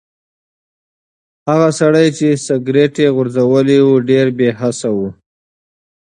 هغه سړی چې سګرټ یې غورځولی و ډېر بې حسه و.